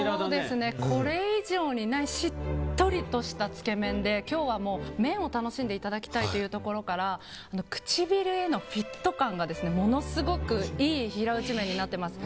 これ以上にないしっとりとしたつけ麺で今日は麺を楽しんでいただきたいというところから唇へのフィット感がものすごくいい平打ち麺になってます。